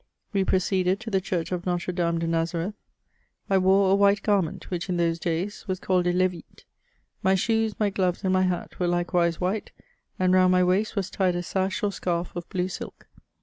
We proceeded to the church of Notre Dame de Nazareth. I wore a white garment, which, in those days, was called a Idvitci my shoes, my gloves, and my hat, were likewise white ; and round my waist was tied a sash or scarf of blue silk.